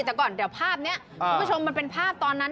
แต่ก่อนเดี๋ยวภาพนี้คุณผู้ชมมันเป็นภาพตอนนั้น